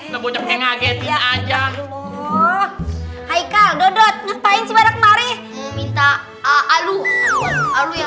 ngagetin aja hai hai kak dodot ngapain si barakmari minta alu alunya